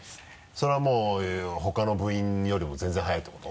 それはもうほかの部員よりも全然速いってこと？